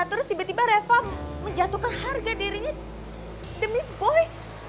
terus tiba tiba reva menjatuhkan harga dirinya demi boy